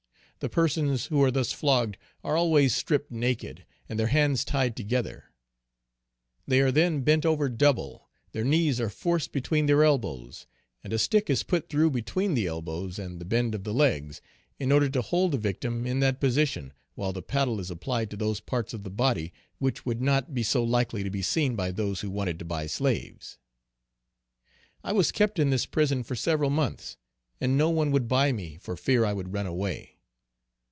The persons who are thus flogged, are always stripped naked, and their hands tied together. They are then bent over double, their knees are forced between their elbows, and a stick is put through between the elbows and the bend of the legs, in order to hold the victim in that position, while the paddle is applied to those parts of the body which would not be so likely to be seen by those who wanted to buy slaves. I was kept in this prison for several months, and no one would buy me for fear I would run away.